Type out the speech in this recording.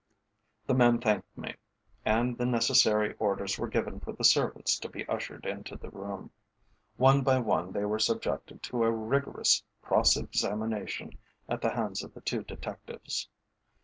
The man thanked me, and the necessary orders were given for the servants to be ushered into the room. One by one they were subjected to a rigorous cross examination at the hands of the two detectives.